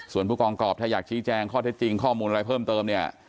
ส่วนผู้กองกรอบถ้าอยากชี้แจงข้อเท็จจริงข้อมูลอะไรเพิ่มเติมเนี่ย